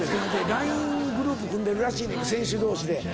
ＬＩＮＥグループ組んでるらしいねん選手同士で。